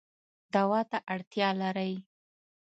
دوا ته اړتیا لرئ